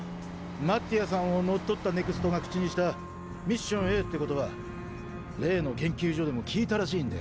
マッティアさんを乗っ取ったＮＥＸＴが口にしたミッションＡって言葉例の研究所でも聞いたらしいんだよ。